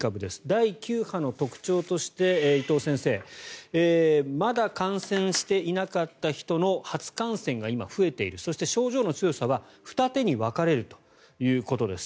第９波の特徴として伊藤先生まだ感染していなかった人の初感染が今増えているそして、症状の強さは二手に分かれるということです。